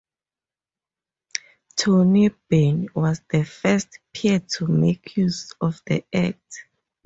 Tony Benn was the first peer to make use of the Act.